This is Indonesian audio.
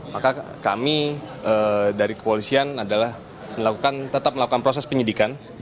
maka kami dari kepolisian adalah tetap melakukan proses penyidikan